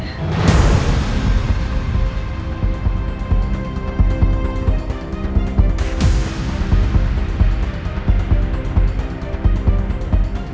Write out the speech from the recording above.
semua akan baik baik aja